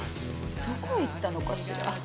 どこ行ったのかしら？